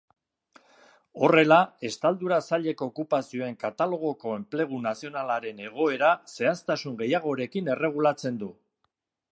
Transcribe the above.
Horrela, estaldura zaileko okupazioen katalogoko enplegu nazionalaren egoera zehaztasun gehiagorekin erregulatzen du.